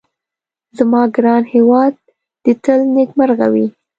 زما ګران هيواد دي تل نيکمرغه وي